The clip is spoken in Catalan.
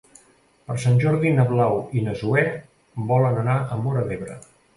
Per Sant Jordi na Blau i na Zoè volen anar a Móra d'Ebre.